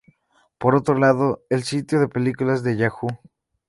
Por otro lado, el sitio de películas de Yahoo!